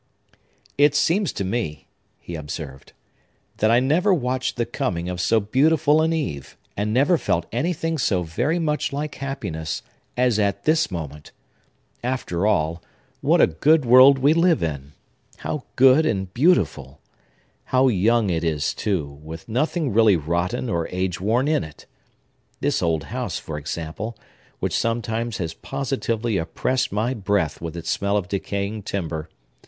"It seems to me," he observed, "that I never watched the coming of so beautiful an eve, and never felt anything so very much like happiness as at this moment. After all, what a good world we live in! How good, and beautiful! How young it is, too, with nothing really rotten or age worn in it! This old house, for example, which sometimes has positively oppressed my breath with its smell of decaying timber!